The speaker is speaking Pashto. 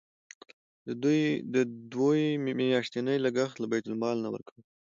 د دوی میاشتنی لګښت له بیت المال نه ورکوئ.